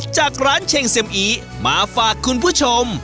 จากร้านเชงเซ็มอีมาฝากคุณผู้ชม